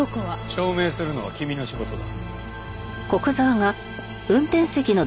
証明するのは君の仕事だ。